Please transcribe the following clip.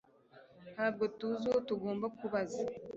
Ntabwo tuzi uwo tugomba kubaza